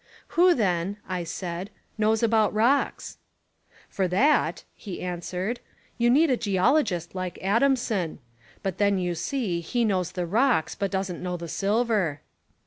"Who then," I said, "knows about rocks?" "For that," he answered, "you need a geologist like Adamson; but then, you see, he knows the rocks, but doesn't know the sil ver."